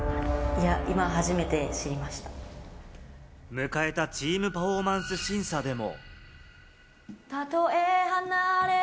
迎えたチーム・パフォーマンス審査でも。